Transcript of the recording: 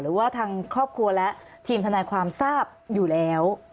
หรือว่าทางครอบครัวและทีมทนายความทราบอยู่แล้ว